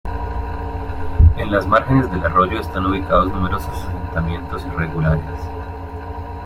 En las márgenes del arroyo están ubicados numerosos asentamientos irregulares.